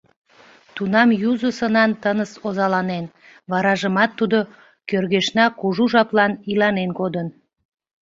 Тунам юзо сынан тыныс озаланен, варажымат тудо кӧргешна кужу жаплан иланен кодын.